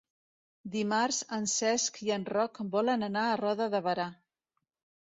Dimarts en Cesc i en Roc volen anar a Roda de Berà.